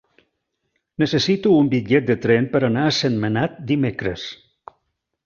Necessito un bitllet de tren per anar a Sentmenat dimecres.